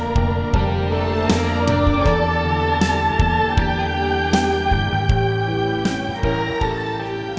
jangan lupa untuk meminta uang